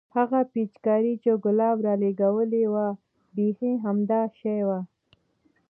هغه پيچکارۍ چې ګلاب رالګولې وه بيخي همدا شى وه.